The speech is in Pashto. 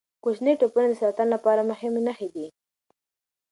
کوچني ټپونه د سرطان لپاره مهم نښې دي.